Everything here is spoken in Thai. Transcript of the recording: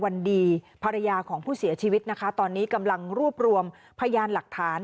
วันดีภรรยาของผู้เสียชีวิตนะคะตอนนี้กำลังรวบรวมพยานหลักฐาน